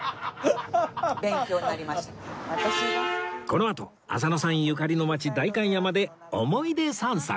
このあと浅野さんゆかりの街代官山で思い出散策